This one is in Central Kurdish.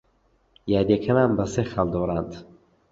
یارییەکەمان بە سێ خاڵ دۆڕاند.